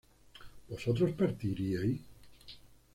¿vosotros partiríais?